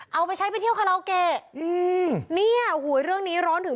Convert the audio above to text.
เอาไปใช้ไปเที่ยวคาเลาะเกนี่เหลืองนี้ร้อนถึง